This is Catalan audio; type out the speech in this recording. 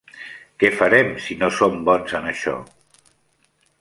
Que farem si no som bons en això?